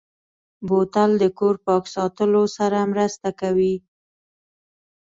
بوتل د کور پاک ساتلو سره مرسته کوي.